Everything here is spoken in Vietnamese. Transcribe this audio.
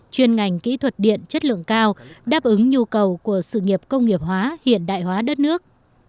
chuyên ngành kỹ thuật điện chất lượng cao đáp ứng nhu cầu của sự nghiệp công nghiệp hóa hiện đại hóa đất nước